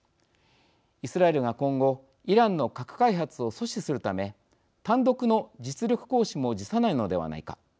イスラエルが、今後イランの核開発を阻止するため単独の実力行使も辞さないのではないか。